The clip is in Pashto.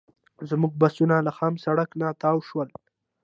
زموږ بسونه له خام سړک نه تاو شول.